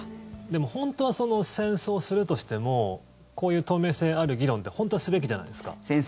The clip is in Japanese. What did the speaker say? でも本当は戦争するとしてもこういう透明性ある議論って本当はすべきじゃないですか。